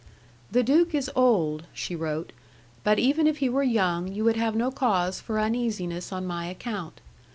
"The duke is old," she wrote, "but even if he were young, you would have no cause for uneasiness on my account.